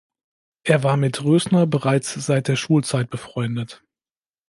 Er war mit Rösner bereits seit der Schulzeit befreundet.